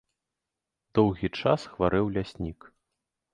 Доўгі час хварэў ляснік.